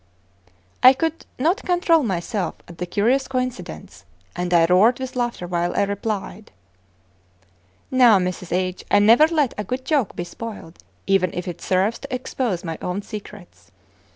I could not control myself at the curious coincidence, and I roared with laughter while I replied: "Now, Mrs. H., I never let a good joke be spoiled, even if it serves to expose my own secrets.